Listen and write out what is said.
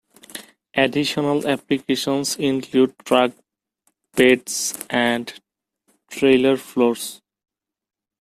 Additional applications include truck beds and trailer floors.